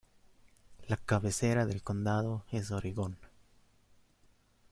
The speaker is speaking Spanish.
La cabecera del condado es Oregón.